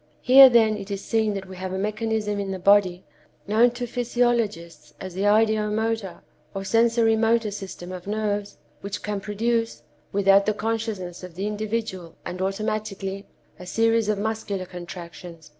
"Here, then, it is seen that we have a mechanism in the body, known to physiologists as the ideo motor, or sensory motor system of nerves, which can produce, without the consciousness of the individual and automatically, a series of muscular contractions.